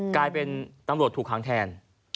กลายเป็นตำรวจถูกหางแทน